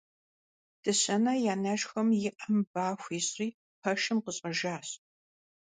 Дыщэнэ и анэшхуэм и Ӏэм ба хуищӀри, пэшым къыщӀэжащ.